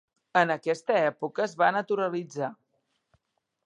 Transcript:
En aquesta època es va naturalitzar.